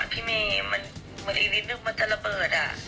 พี่เมย์มันเหมือนอีกนิดนึงมันจะระเบิด